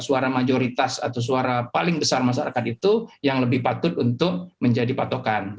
suara majoritas atau suara paling besar masyarakat itu yang lebih patut untuk menjadi patokan